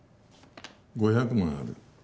５００万ある。